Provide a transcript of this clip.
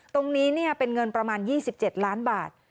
ตรงนี้เป็นเงินประมาณ๒๗ล้านบาท